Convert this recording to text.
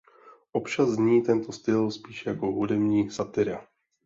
Občas zní tento styl spíše jako hudební satira.